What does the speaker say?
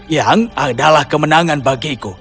yang adalah kemenangan bagiku